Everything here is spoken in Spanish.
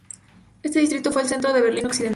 Este distrito fue el centro de Berlín Occidental.